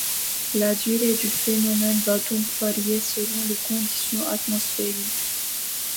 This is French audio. La durée du phénomène va donc varier selon les conditions atmosphériques.